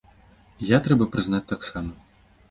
І я, трэба прызнаць, таксама.